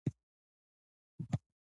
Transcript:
هغه کتاب چې ما لوستلی ډېر ګټور و.